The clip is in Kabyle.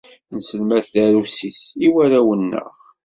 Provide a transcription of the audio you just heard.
Nesselmed tarusit i warraw-nneɣ.